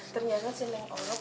ternyata si nek orang